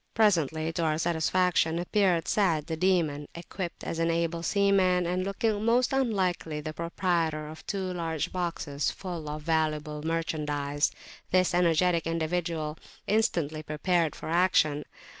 Presently, to our satisfaction, appeared Sa'ad the Demon, equipped as an able seaman, and looking most unlike the proprietor of two large boxes full of valuable merchandise. This energetic individual instantly prepared for action.